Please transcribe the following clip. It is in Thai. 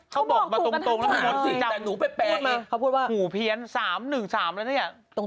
เขาก็พี่ไงเขาบอกมาตรง